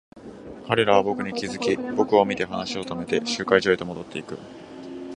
彼らは僕に気づき、僕を見て話を止めて、集会所へと戻っていく。